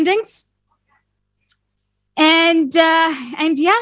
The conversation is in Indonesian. dan ya itu saja